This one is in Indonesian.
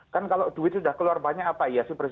kan kalau duit sudah keluar banyak apa iya